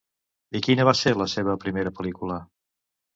I quina va ser la seva primera pel·lícula?